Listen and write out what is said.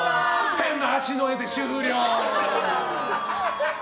変な足の絵で終了！